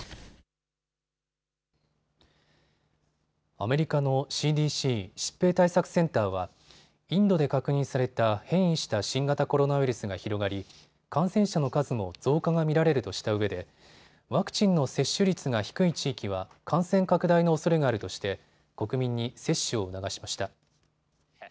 アメリカのＣＤＣ・疾病対策センターはインドで確認された変異した新型コロナウイルスが広がり感染者の数も増加が見られるとしたうえでワクチンの接種率が低い地域は感染拡大のおそれがあるとして国民に接種を促しました。